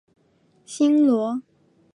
新罗朝延因此分裂为亲唐派和反唐派。